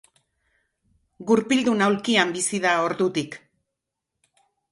Gurpildun aulkian bizi da ordutik.